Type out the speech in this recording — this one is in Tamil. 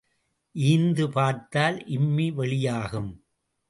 ஈந்து பார்த்தால் இம்மி வெளியாகும்.